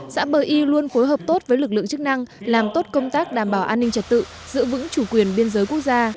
xã bờ y luôn phối hợp tốt với lực lượng chức năng làm tốt công tác đảm bảo an ninh trật tự giữ vững chủ quyền biên giới quốc gia